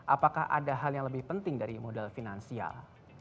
apakah ada hal yang lebih penting dari modal finansial